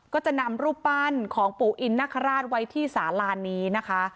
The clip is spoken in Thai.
ก็จะนำรูปปั้นของปู่อินนคราชไว้ที่สาลานี้นะคะ